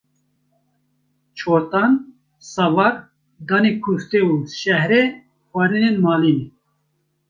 çortan, savar, danê kufte û şehre xwarinên malê ne